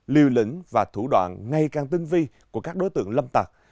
lưu lĩnh và thủ đoạn ngay càng tinh vi của các đối tượng lâm tạc